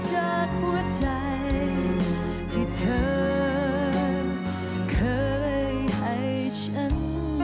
จากหัวใจที่เธอเคยให้ฉัน